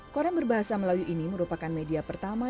koran berbahasa melayu ini merupakan media pertama